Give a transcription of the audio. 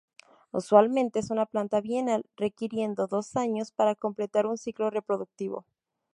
Usualmente es una planta bienal, requiriendo dos años para completar un ciclo reproductivo.